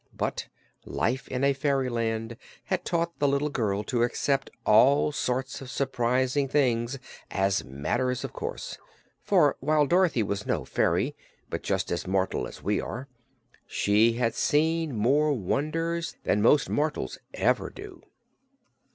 But life in a fairy land had taught the little girl to accept all sorts of surprising things as matters of course, for while Dorothy was no fairy but just as mortal as we are she had seen more wonders than most mortals ever do.